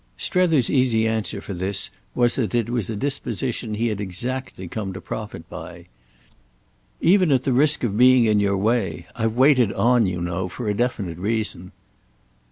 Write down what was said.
Strether's easy answer for this was that it was a disposition he had exactly come to profit by. "Even at the risk of being in your way I've waited on, you know, for a definite reason."